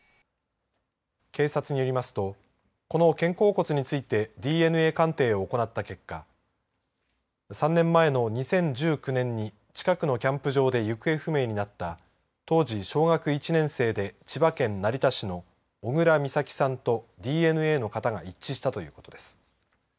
警察によりますとこの肩甲骨についてＤＮＡ鑑定を行った結果３年前の２０１９年に近くのキャンプ場で行方不明になった当時小学１年生で千葉県成田市の小倉美咲さんとＤＮＡの型が一致したということです。